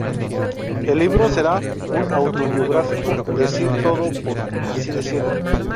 El libro será una autobiográfico "decir todo", por así decirlo.